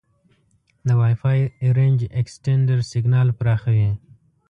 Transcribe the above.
د وای فای رینج اکسټینډر سیګنال پراخوي.